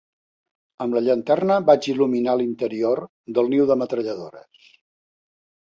Amb la llanterna vaig il·luminar l'interior del niu de metralladores.